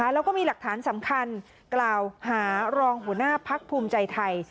แล้วก็มีหลักฐานสำคัญกล่าวหารองหัวหน้าพักภูมิใจไทย